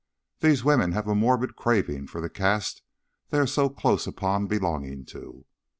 These women have a morbid craving for the caste they are so close upon belonging to."